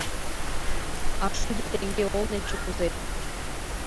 А шӱдӧ теҥге олнетше кузе?